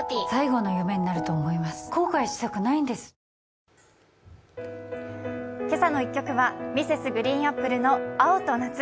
「トリプルバリア」「けさの１曲」はＭｒｓ．ＧＲＥＥＮＡＰＰＬＥの「青と夏」。